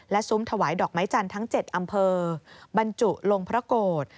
ซุ้มถวายดอกไม้จันทร์ทั้ง๗อำเภอบรรจุลงพระโกรธ